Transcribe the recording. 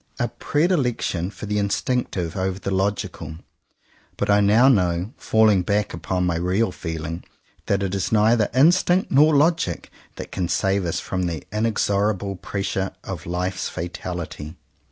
— a predilection for the "instinctive," over the logical;" but I now know, falling back upon my real feeling, that it is neither instinct nor logic that can save us from the inexorable pressure of life's fatality.